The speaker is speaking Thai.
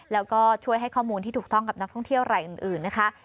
แล้วก็ช่วยให้ข้อมูลที่ถูกต้องกับนักท่องเที่ยวรายอื่นนะคะ